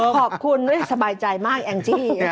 ขอบคุณไม่สบายใจมากแองจี้